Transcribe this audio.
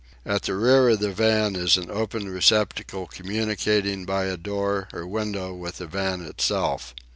At the rear of the van is an open receptacle communicating by a door or window with the van itself.